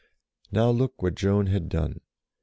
Now look what Joan had done.